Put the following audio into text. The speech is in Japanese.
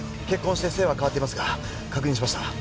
結婚して姓は変わっていますが確認しました。